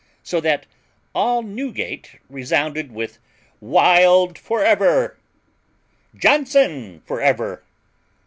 So that all Newgate resounded with WILD for ever, JOHNSON for ever.